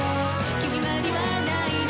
「決まりはないね」